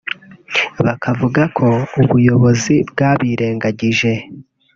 bakavuga ko ubuyobozi bwabirengagije